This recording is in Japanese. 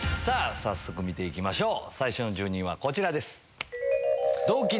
さぁ早速見て行きましょう最初の住人はこちらです。